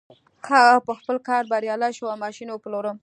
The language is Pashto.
هغه په خپل کار بريالی شو او ماشين يې وپلوره.